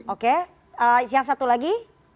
oke yang satu lagi